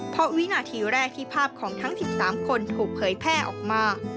เพราะวินาทีแรกที่ภาพของทั้ง๑๓คนถูกเผยแพร่ออกมา